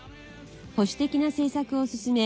保守的な政策を進め